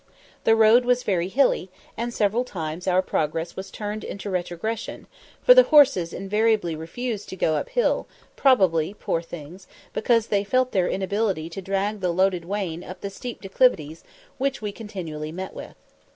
The road was very hilly, and several times our progress was turned into retrogression, for the horses invariably refused to go up hill, probably, poor things! because they felt their inability to drag the loaded wain up the steep declivities which we continually met with.